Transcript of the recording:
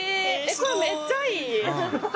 これめっちゃいい。